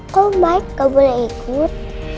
kak bio nggak boleh ikut